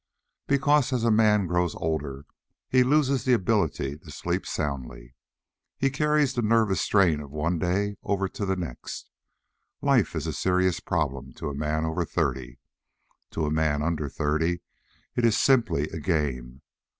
Because as a man grows older he loses the ability to sleep soundly. He carries the nervous strain of one day over to the next. Life is a serious problem to a man over thirty. To a man under thirty it is simply a game.